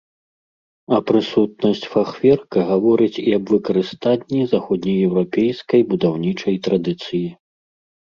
А прысутнасць фахверка гаворыць і аб выкарыстанні заходнееўрапейскай будаўнічай традыцыі.